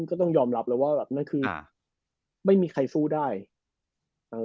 ก็ต้องยอมรับแล้วว่าแบบนั่นคือค่ะไม่มีใครสู้ได้เอ่อ